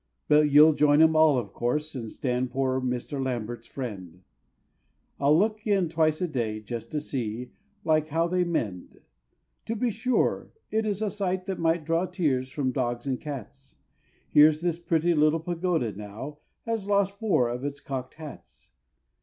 But you'll join 'em all of course, and stand poor Mr. Lambert's friend, I'll look in twice a day, just to see, like, how they mend. To be sure it is a sight that might draw tears from dogs and cats, Here's this pretty little pagoda, now, has lost four of its cocked hats.